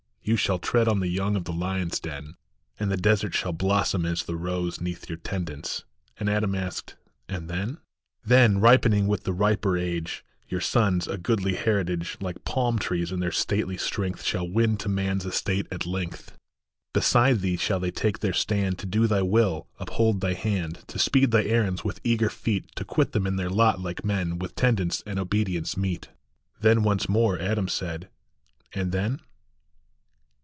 You shall tread on the young of the lion s den, WHAT THE ANGEL SAID. 21 3 And the desert shall blossom as the rose Neath your tendance." And Adam asked: "And then?" " Then, ripening with the riper age, Your sons, a goodly heritage, Like palm trees in their stately strength, Shall win to man s estate at length. Beside thee shall they take their stand, To do thy will, uphold thy hand, To speed thy errands with eager feet, To quit them in their lot like men, With tendance and obedience meet." Then once more Adam said, " And then?